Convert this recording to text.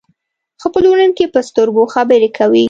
ښه پلورونکی په سترګو خبرې کوي.